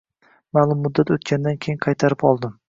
Ma’lum muddat o’tgandan keyin qaytarib oldim.